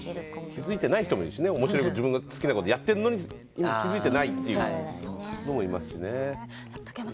気付いてない人もいるし自分の好きなことをやってるのに今、気付いてないっていうのもいますしね。